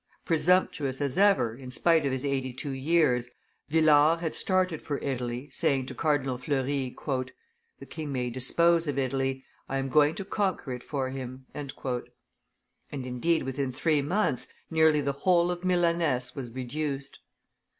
Presumptuous as ever, in spite of his eighty two years, Villars had started for Italy, saying to Cardinal Fleury, "The king may dispose of Italy, I am going to conquer it for him." And, indeed, within three months, nearly the whole of Milaness was reduced.